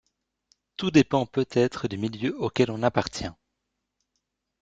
Tout dépend peut-être du milieu auquel on appartient.